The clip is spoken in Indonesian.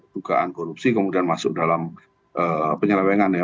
dugaan korupsi kemudian masuk dalam penyelewengan ya